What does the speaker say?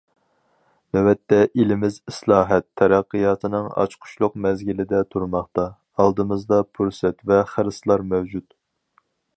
نۆۋەتتە، ئېلىمىز ئىسلاھات، تەرەققىياتنىڭ ئاچقۇچلۇق مەزگىلىدە تۇرماقتا، ئالدىمىزدا پۇرسەت ۋە خىرىسلار مەۋجۇت.